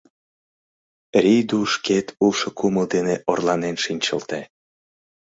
Рийду шкет улшо кумыл дене орланен шинчылте.